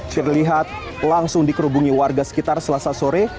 terlihat langsung dikerubungi warga sekitar selasa sore